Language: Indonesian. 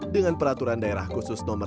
dengan peraturan daerah khusus nomor satu